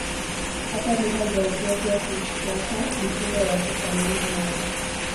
Hata lugha za Ethiopia hufuata mtindo wa kufanana nayo.